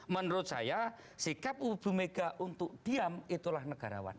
menurut saya sikap bu mega untuk diam itulah negarawan